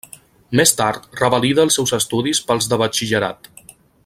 Més tard revalida els seus estudis pels de batxillerat.